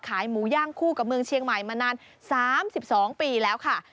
หมูย่างคู่กับเมืองเชียงใหม่มานาน๓๒ปีแล้วค่ะ